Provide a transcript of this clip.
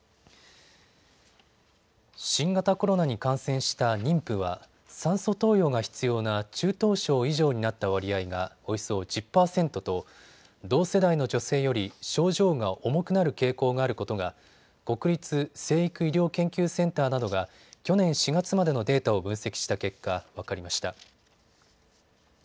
新型コロナに感染した妊婦は酸素投与が必要な中等症以上になった割合がおよそ１０％と同世代の女性より症状が重くなる傾向があることが国立成育医療研究センターなどが去年４月までのデータを分析した結果、分かりました。